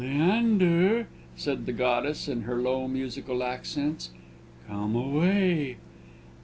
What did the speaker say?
"Leander," said the goddess, in her low musical accents, "come away."